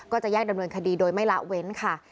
ก็จะแยกดำเนินคดีโดยไม่ละเว้นค่ะ